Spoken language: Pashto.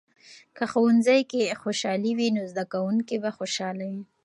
که ښوونځۍ کې خوشحالي وي، نو زده کوونکي به خوشحاله وي.